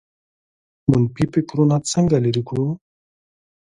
منفي فکرونه څنګه لرې کړو؟